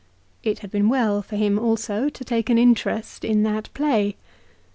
It had been well, for him also, to take an interest in that play.